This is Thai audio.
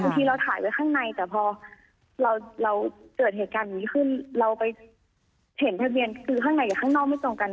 ทีเราถ่ายไว้ข้างในแต่พอเราเกิดเหตุการณ์อย่างนี้ขึ้นเราไปเห็นทะเบียนคือข้างในกับข้างนอกไม่ตรงกัน